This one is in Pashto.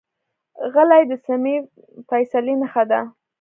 غلی، د سمې فیصلې نښه ده.